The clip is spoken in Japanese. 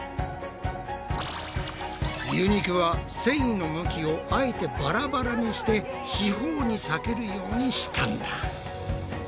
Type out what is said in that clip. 牛肉は繊維の向きをあえてバラバラにして四方に裂けるようにしたんだ。